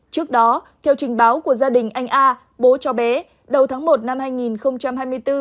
trước đó theo trình báo của gia đình anh a bố cho bé đầu tháng một năm hai nghìn hai mươi bốn